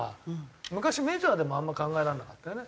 昔メジャーでもあんま考えられなかったよね。